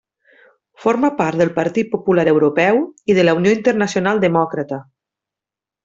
Forma part del Partit Popular Europeu i de la Unió Internacional Demòcrata.